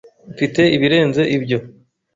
Mfite ibirenze ibyo.